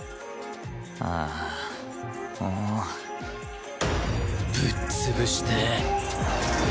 ああーもうぶっ潰してえ！